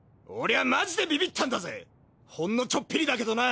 あマジでビビったんだぜほんのちょっぴりだけどな！